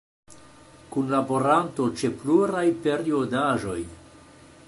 Kunlaboranto ĉe pluraj periodaĵoj.